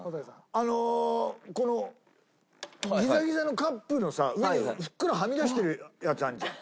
あのこのギザギザのカップのさ上にふっくらはみ出してるやつあんじゃん。